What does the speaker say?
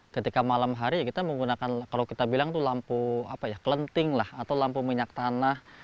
ketika malam hari ya kita menggunakan kalau kita bilang itu lampu apa ya kelenting lah atau lampu minyak tanah